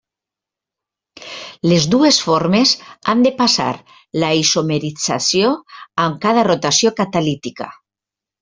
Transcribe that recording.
Les dues formes han de passar la isomerització amb cada rotació catalítica.